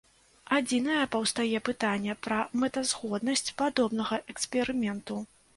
Адзінае, паўстае пытанне пра мэтазгоднасць падобнага эксперыменту.